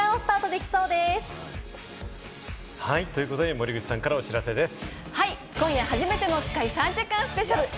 森口さんからお知らせです。